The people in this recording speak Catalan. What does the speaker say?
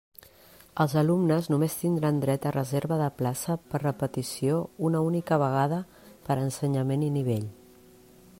Els alumnes només tindran dret a reserva de plaça per repetició una única vegada per ensenyament i nivell.